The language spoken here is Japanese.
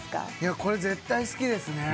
これ絶対好きですね